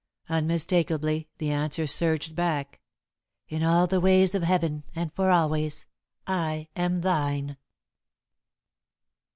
Unmistakably the answer surged back: "In all the ways of Heaven and for always, I am thine."